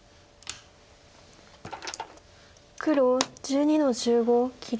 黒１２の十五切り。